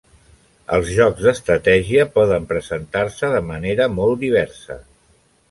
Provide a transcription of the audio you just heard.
Els jocs d'estratègia poden presentar-se de manera molt diversa.